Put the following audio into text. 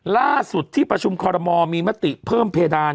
ล่าสุดที่ประชุมคอรมอลมีมติเพิ่มเพดาน